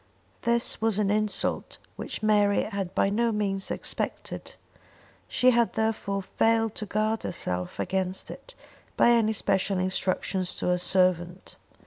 This was an insult which Mary had by no means expected; she had therefore failed to guard herself against it by any special instructions to her servant.